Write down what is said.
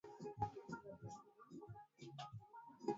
Los Angeles na Chicago Marekani ni nchi iliyoendelea na yenye